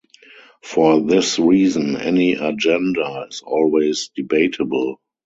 For this reason, any agenda is always debatable.